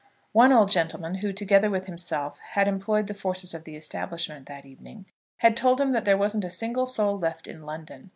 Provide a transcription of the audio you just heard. One old gentleman, who, together with himself, had employed the forces of the establishment that evening, had told him that there wasn't a single soul left in London.